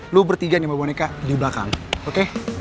lu bertiga nih mbak boneka di belakang oke